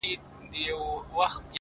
د کلې خلگ به دي څه ډول احسان ادا کړې”